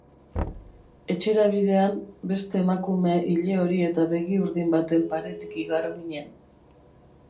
Etxera bidean, beste emakume ilehori eta begi-urdin baten paretik igaro ginen.